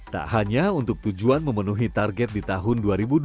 tak hanya untuk tujuan memenuhi target di tahun dua ribu dua puluh satu